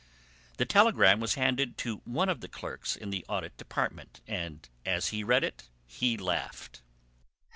The telegram was handed to one of the clerks in the Audit Department, and as he read it he laughed.